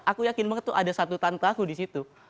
aku yakin banget tuh ada satu tante aku disitu